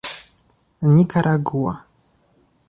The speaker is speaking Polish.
Nikaragua